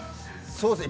◆そうですね。